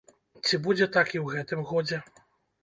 Ці будзе так і ў гэтым годзе?